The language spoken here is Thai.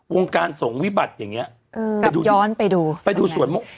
วงการสงวิบัติอย่างเงี้เออไปดูย้อนไปดูไปดูสวนมุก